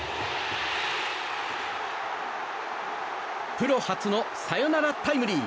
プロ初のサヨナラタイムリー。